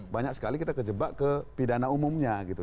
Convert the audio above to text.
banyak sekali kita kejebak ke pidana umumnya gitu